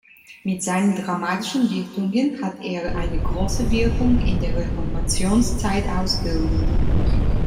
Mit seinen dramatischen Dichtungen hat er eine große Wirkung in der Reformationszeit ausgeübt.